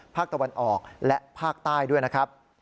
ภาคตะวันออกและภาคใต้ด้วยนะครับ